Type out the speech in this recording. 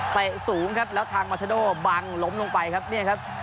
แตะสูงครับแล้วทางมาชาโดบังลมลงไปครับ